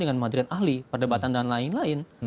dengan madrian ahli perdebatan dan lain lain